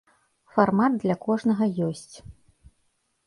Фармат для кожнага ёсць.